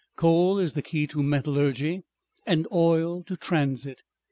Coal is the key to metallurgy and oil to transit.